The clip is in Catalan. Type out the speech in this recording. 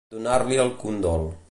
Donar-li el condol.